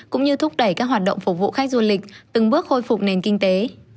cũng như thúc đẩy các hoạt động phục vụ khách du lịch từng bước khôi phục nền kinh tế